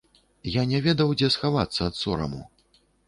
Я не ведаў, дзе схавацца ад сораму.